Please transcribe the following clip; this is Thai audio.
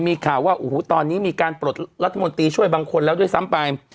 มีข่าวว่าโอ้โหตอนนี้มีการปลดรัฐมนตรีช่วยบางคนแล้วด้วยซ้ำไป